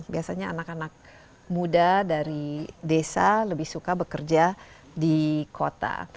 biasanya anak anak muda dari desa lebih suka bekerja di kota